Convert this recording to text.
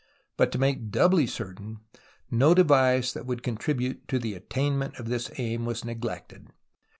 Eut to make doubly certain, no device that would contribute to the attainment of this aim was neglected.